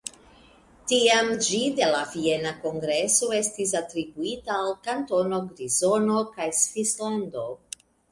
Tiam ĝi de la Viena Kongreso estis atribuita al Kantono Grizono kaj Svislando.